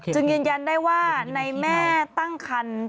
จึงยืนยันได้ว่าในแม่ตั้งครรภ์